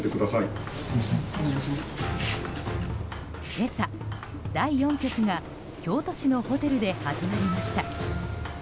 今朝、第４局が京都市のホテルで始まりました。